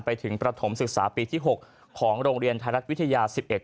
ไปถึงประถมศึกษาปีที่๖ของโรงเรียนไทยรัฐวิทยา๑๑